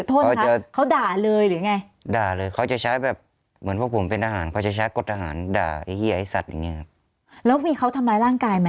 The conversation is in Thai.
โทษค่ะเขาด่าเลยหรือไงด่าเลยเขาจะใช้แบบเหมือนพวกผมเป็นอาหาร